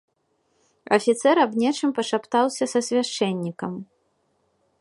Афіцэр аб нечым пашаптаўся са свяшчэннікам.